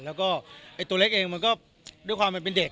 แล้วก็ไอ้ตัวเล็กเองมันก็ด้วยความมันเป็นเด็ก